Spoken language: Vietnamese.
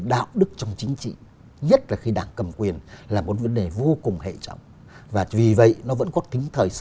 đảng cầm quyền thì